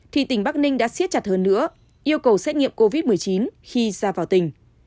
thì tỉnh bắc ninh đã xiết chặt hơn nữa yêu cầu xét nghiệm covid một mươi chín khi ra vào tỉnh